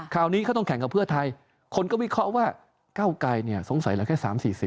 คราวนี้เขาต้องแข่งกับเพื่อไทยคนก็วิเคราะห์ว่าก้าวไกรสงสัยแล้วแค่๓๔๐